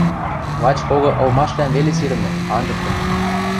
Лач кого ылмашвлӓм веле сирӹмӹ, анжыктымы.